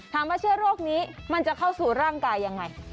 ว่าเชื้อโรคนี้มันจะเข้าสู่ร่างกายยังไง